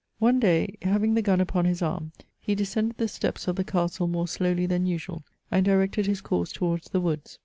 One day, having the gun upon his arm, he descended the steps of the castle more slowly than usual, and directed his course towards the woods.